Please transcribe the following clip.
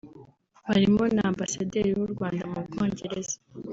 barimo na Ambasaderi w’u Rwanda mu Bwongereza